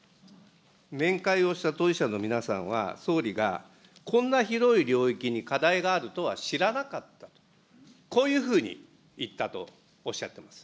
面会をした当事者の皆さんは、総理がこんな広い領域に課題があるとは知らなかった、こういうふうに言ったとおっしゃってます。